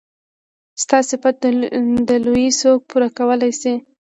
ستا صفت د لويي څوک پوره کولی شي.